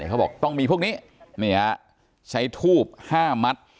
เขาบอกต้องมีพวกนี้ใช้ทูบ๕มัตต์